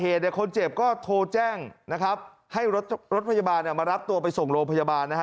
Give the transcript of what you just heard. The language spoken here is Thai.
เหตุเนี่ยคนเจ็บก็โทรแจ้งนะครับให้รถรถพยาบาลมารับตัวไปส่งโรงพยาบาลนะฮะ